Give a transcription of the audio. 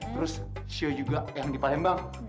terus show juga yang di palembang